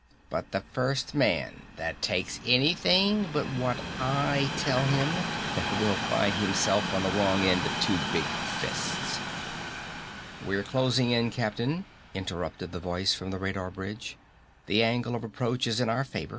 "But the first man that takes anything but what I tell him will find himself on the wrong end of two big fists!" "We're closing in, Captain," interrupted the voice from the radar bridge. "The angle of approach is in our favor.